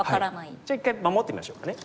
じゃあ一回守ってみましょうかね。